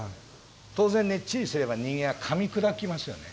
当然ねっちりすれば人間はかみ砕きますよね。